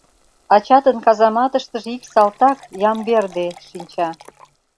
Ачатын казаматыштыже ик салтак — Ямберде — шинча.